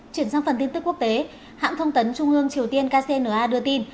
chuyển sang phần tin tức quốc tế hãng thông tấn trung ương triều tiên kcna đưa tin